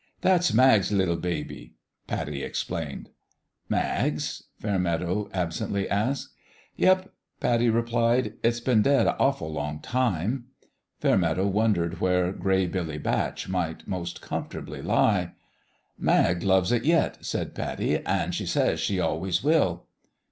"That's Mag's liT baby," Pattie explained. " Mag's ?" Fairmeadow absently asked. " Yep," Pattie replied ;" it's been dead a awful long time." Fairmeadow wondered where Gray Billy Batch might most comfortably lie. " Mag loves it yet," said Pattie ;" an' she says she always will."